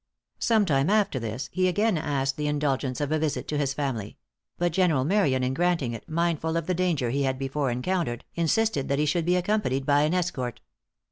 Some time after this, he again asked the indulgence of a visit to his family; but General Marion in granting it, mindful of the danger he had before encountered, insisted that he should be accompanied by an escort.